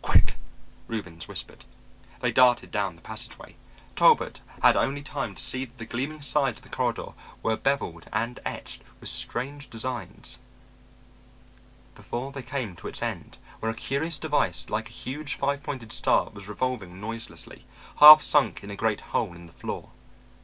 "Quick," Reubens whispered. They darted down the passageway. Talbot had only time to see that the gleaming sides of the corridor were beveled and etched with strange designs, before they came to its end and where a curious device like a huge five pointed star was revolving noiselessly, half sunk in a great hole in the floor.